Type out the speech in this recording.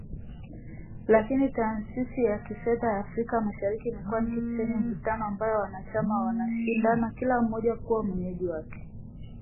Lakini Taasisi ya Kifedha ya Afrika Mashariki imekuwa ni kitu chenye mvutano, ambapo wanachama wanashindana kila mmoja kuwa mwenyeji wake.